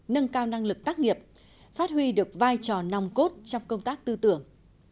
nâng cao năng lực tác nghiệp phát huy được vai trò nòng cốt trong công tác tư tưởng